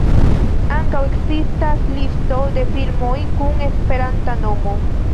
Ankaŭ ekzistas Listo de Filmoj kun esperanta nomo.